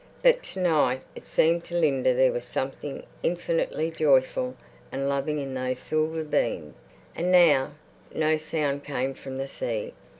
But to night it seemed to Linda there was something infinitely joyful and loving in those silver beams. And now no sound came from the sea.